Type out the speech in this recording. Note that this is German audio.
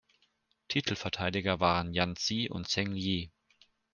Titelverteidiger waren Yan Zi und Zheng Jie.